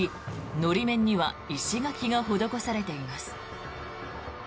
法面には石垣が施されています。